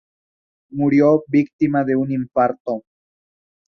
Murió víctima de un infarto.